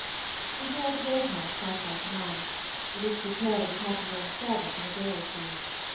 We shall have the Gt. House quite at our command; it is to be cleared of the Papillons' servants in a day or two.